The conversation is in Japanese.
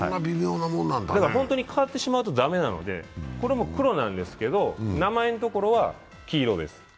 だから本当に変わってしまうと駄目なんで、これも黒なんですけど名前のところは黄色です。